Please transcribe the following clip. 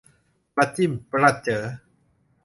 ประจิ้มประเจ๋อ